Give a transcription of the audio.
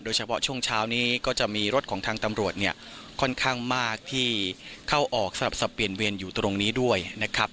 เฉพาะช่วงเช้านี้ก็จะมีรถของทางตำรวจเนี่ยค่อนข้างมากที่เข้าออกสลับสับเปลี่ยนเวียนอยู่ตรงนี้ด้วยนะครับ